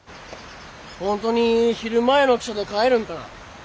本当に昼前の汽車で帰るんかな？